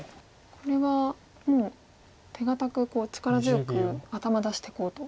これはもう手堅く力強く頭出していこうと。